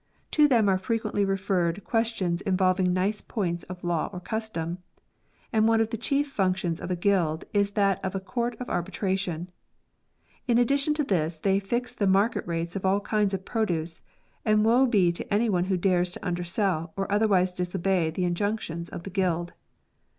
To them are frequently referred questions involving nice points of law or custom, and one of the chief functions of a guild is that of a court of arbitration. In addition to this they fix the market rates of all kinds of produce, and woe be to any one who dares to undersell or otherwise disobey the injunctions of the guild.